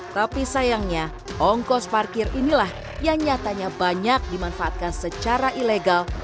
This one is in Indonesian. tapi sayangnya ongkos parkir inilah yang nyatanya banyak dimanfaatkan secara ilegal